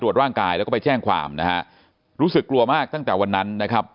ร่างกายแล้วก็ไปแจ้งความนะฮะรู้สึกกลัวมากตั้งแต่วันนั้นนะครับ